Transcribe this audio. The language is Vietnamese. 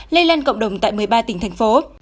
lây lan cộng đồng tại một mươi ba tỉnh thành phố